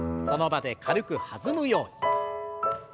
その場で軽く弾むように。